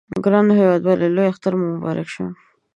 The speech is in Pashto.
ګرانو هیوادوالو لوی اختر مو مبارک شه!